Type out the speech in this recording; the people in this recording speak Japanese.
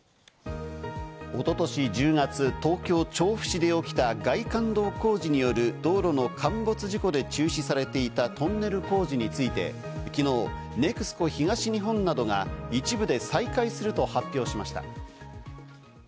一昨年１０月、東京・調布市で起きた外環道工事による道路の陥没事故で中止されていたトンネル工事について昨日、ＮＥＸＣＯ東日本などが一部で再開すると発表しました。